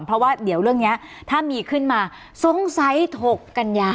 เพราะว่าเดี๋ยวเรื่องนี้ถ้ามีขึ้นมาสงสัย๖กันยา